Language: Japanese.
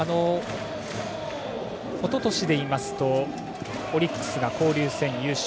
おととしでいいますとオリックスが交流戦優勝。